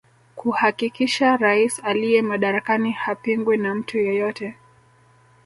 Kuhakikisha rais aliye madarakani hapingwi na mtu yeyote